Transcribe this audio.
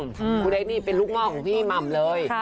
คุณเอกส์นี่เป็นลูกม่อของพี่ม่ำเลย